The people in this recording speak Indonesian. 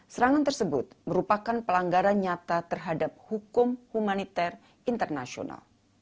serangan tersebut merupakan pelanggaran nyata terhadap hukum humaniter internasional